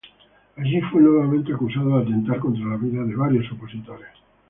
Allí fue nuevamente acusado de atentar contra la vida de varios opositores.